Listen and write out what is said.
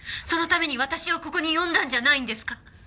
そのために私をここに呼んだんじゃないんですか？